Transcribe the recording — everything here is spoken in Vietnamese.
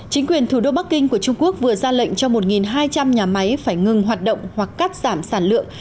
chính quyền thủ đô bắc kinh của trung quốc vừa ra lệnh cho một hai trăm linh nhà máy phải ngừng hoạt động hoặc cắt giảm sản lượng